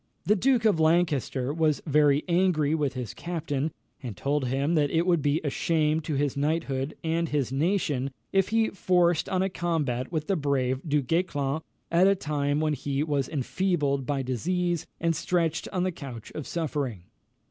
The Duke of Lancaster was very angry with his captain, and told him that it would be a shame to his knighthood and his nation if he forced on a combat with the brave Du Guesclin at a time when he was enfeebled by disease and stretched on the couch of suffering.